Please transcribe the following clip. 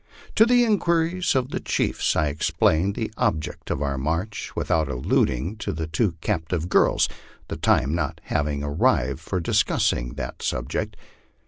To the inquiries of the chiefs I explained the object of our march, without alluding to the two captive girls, the time not having arrived for discussing that subject.